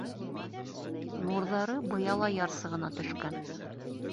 Нурҙары Быяла ярсығына төшкән.